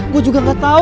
gua juga gak tau